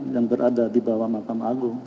yang berada di bawah makam agung